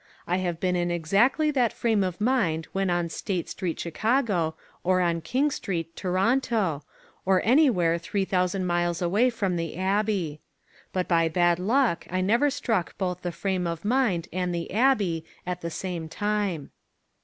I have been in exactly that frame of mind when on State Street, Chicago, or on King Street, Toronto, or anywhere three thousand miles away from the Abbey. But by bad luck I never struck both the frame of mind and the Abbey at the same time.